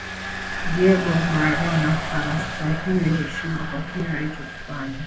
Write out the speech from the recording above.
diego maradona anasitahili heshima kwa kile alichokifanya